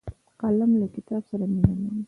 قلم له کتاب سره مینه لري